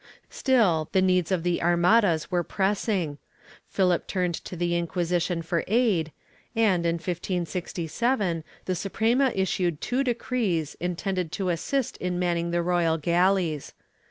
Still, the needs of the armadas were pressing; Philip turned to the Inquisition for aid, and, in 1567, the Suprema issued two decrees intended to assist in manning the royal galleys.